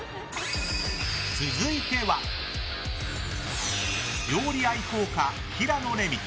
続いては、料理愛好家平野レミ。